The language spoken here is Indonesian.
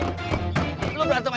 lo berantem aja sama gue